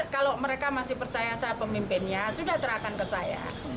kalau mereka masih percaya saya pemimpinnya sudah serahkan ke saya